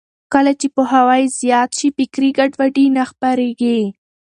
کله چې پوهاوی زیات شي، فکري ګډوډي نه خپرېږي.